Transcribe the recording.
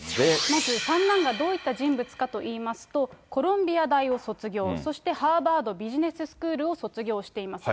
まず三男がどういった人物かといいますと、コロンビア大を卒業、そしてハーバードビジネススクールを卒業しています。